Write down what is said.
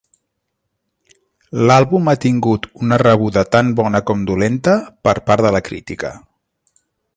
L'àlbum ha tingut una rebuda tan bona com dolenta per part de la crítica.